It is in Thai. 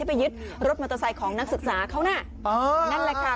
ไปยึดรถมอเตอร์ไซค์ของนักศึกษาเขาน่ะอ๋อนั่นแหละค่ะ